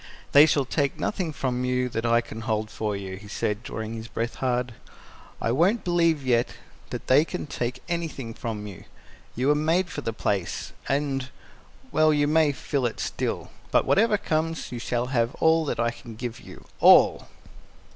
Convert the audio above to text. "They shall take nothing from you that I can hold for you," he said, drawing his breath hard. "I won't believe yet that they can take anything from you. You were made for the place, and well, you may fill it still. But whatever comes, you shall have all that I can give you all!"